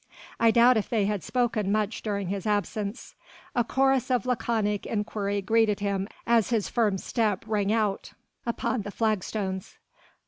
I doubt if they had spoken much during his absence. A chorus of laconic inquiry greeted him as soon as his firm step rang out upon the flagstones.